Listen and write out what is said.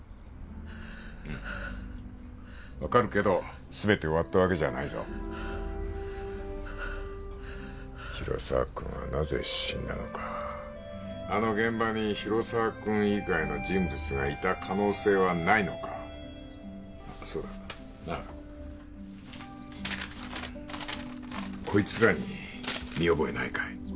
うん分かるけどすべて終わったわけじゃないぞ広沢君はなぜ死んだのかあの現場に広沢君以外の人物がいた可能性はないのかあッそうだなあこいつらに見覚えないかい？